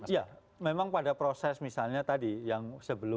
ya memang pada proses misalnya tadi yang sebelumnya